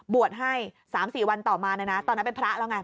บวชให้๓๔วันต่อมาตอนนั้นเป็นพระแล้วไง